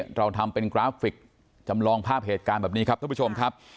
เราทำเป็นกราฟิกจำลองภาพเหตุการณ์แบบนี้ครับท่านผู้ชมครับ